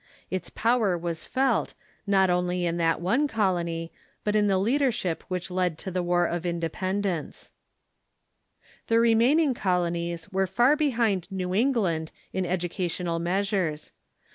Its power was felt, not only in that one colony, but in the leadership which led to the War of Independence. The remaining colonies Avere far behind Xew England in ed 464 THE CHUKCII IN THE UNITED STATES ucational measures.